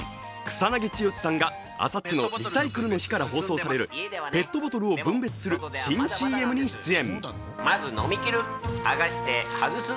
草なぎ剛さんがあさってのリサイクルの日から放送されるペットボトルを分別する新ＣＭに出演。